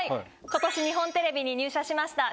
今年日本テレビに入社しました